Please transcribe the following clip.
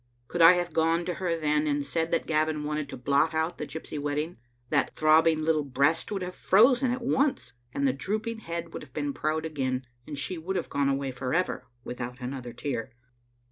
Could I have gone to her then and said that Gavin wanted to blot out the gypsy wedding, that throb bing little breast would have frozen at once, and the drooping head would have been proud again, and she would have gone away forever without another tear.